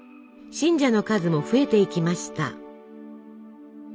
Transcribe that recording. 信者の数も増えていきました。